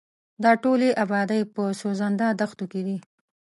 دا ټولې ابادۍ په سوځنده دښتو کې دي.